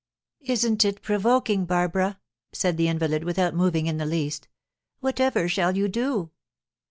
"Isn't it provoking, Barbara?" said the invalid, without moving in the least. "Whatever shall you do?"